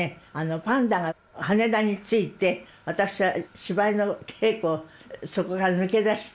パンダが羽田に着いて私は芝居の稽古をそこから抜け出して。